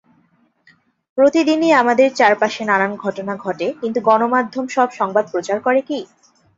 প্রতিদিনই আমাদের চারপাশে নানান ঘটনা ঘটে, কিন্তু গণমাধ্যম সব সংবাদ প্রচার করে কী?